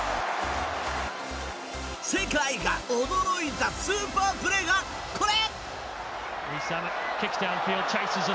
世界が驚いたスーパープレーが、これ！